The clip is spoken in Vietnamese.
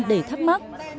để thắc mắc